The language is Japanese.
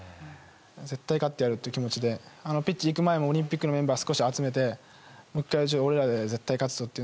絶対に勝ってやるという気持ちでピッチに行く前もオリンピックのメンバーを集めてもう１回、俺らで絶対勝つぞって